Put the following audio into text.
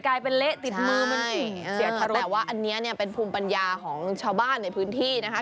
กลายเป็นเละติดมันใช่แต่ว่าอันนี้เนี้ยเป็นภูมิปัญญาของชาวบ้านในพื้นที่นะคะ